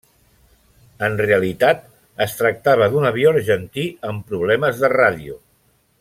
En realitat es tractava d'un avió argentí amb problemes de ràdio.